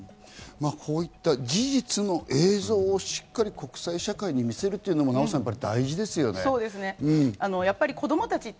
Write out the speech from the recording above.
こういった事実の映像をしっかり国際社会に見せるというのも大事ですよね、ナヲさん。